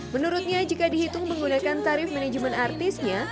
menurutnya jika dihitung menggunakan tarif manajemen artisnya